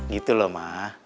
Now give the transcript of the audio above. gitu loh ma